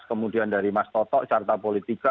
kemudian dari mas toto carta politika